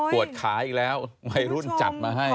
ปวดขาอีกแล้ววัยรุ่นจัดมาให้